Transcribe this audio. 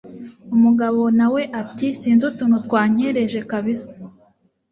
umugabo nawe ati sinzi utuntu twankereje kabisa